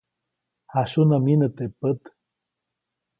Jasyunä myinä teʼ pät.